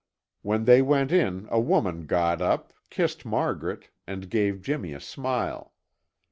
When they went in a woman got up, kissed Margaret, and gave Jimmy a smile.